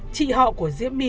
chị họ của diễm my